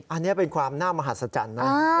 อันนี้เป็นความน่ามหัศจรรย์นะ